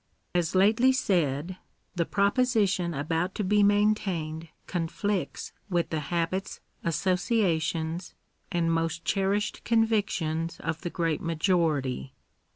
As lately said, the proposition about to be maintained conflicts with the habits, associations, and most cherished convictions of the great majority.